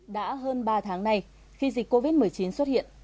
đã hơn ba tháng nay khi dịch covid một mươi chín xuất hiện